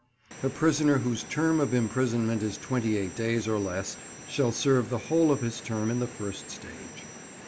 A prisoner whose term of imprisonment is twenty eight days or less shall serve the whole of his term in the first stage.